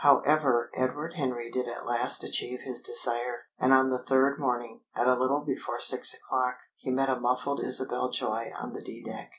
However, Edward Henry did at last achieve his desire. And on the third morning, at a little before six o'clock, he met a muffled Isabel Joy on the D deck.